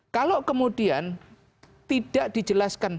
kalau kemudian tidak dijelaskan